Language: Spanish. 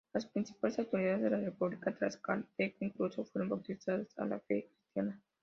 Las principales autoridades de la república tlaxcalteca, incluso fueron bautizados a la fe cristiana.